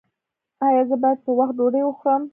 ایا زه باید په وخت ډوډۍ وخورم؟